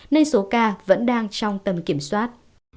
nên số ca vẫn đang trong tầm kiểm soát